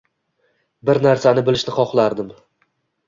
Bir narsani bilishni xohlardim